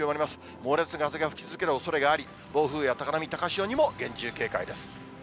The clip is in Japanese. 猛烈な風が吹き続けるおそれがあり、暴風や高波、高潮にも厳重警戒です。